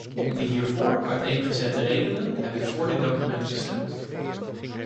Om de hiervoor uiteengezette redenen heb ik voor dit document gestemd.